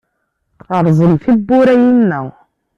Rẓem tiwwura-inna!